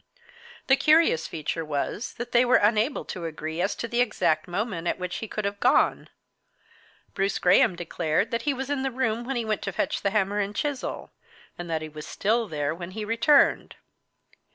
The curious feature was that they were unable to agree as to the exact moment at which he could have gone. Bruce Graham declared that he was in the room when he went to fetch the hammer and chisel, and that he was still there when he returned.